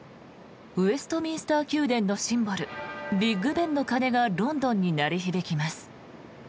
ウェストミンスター宮殿のシンボル、ビッグ・ベンの鐘がロンドンに鳴り響きます。